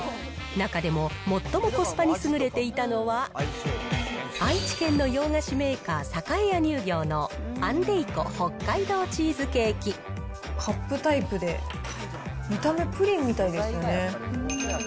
中でも最もコスパに優れていたのは、愛知県の洋菓子メーカー、栄屋乳業の、カップタイプで、見た目プリンみたいですね。